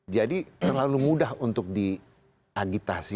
jadi terlalu mudah untuk diagitasi